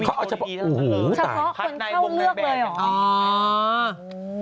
เขาเอาเฉพาะโอ้โหเฉพาะคนเข้าเลือกเลยเหรอ